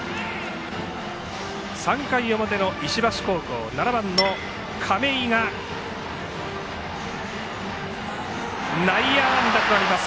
３回表の石橋高校７番の亀井、内野安打となります。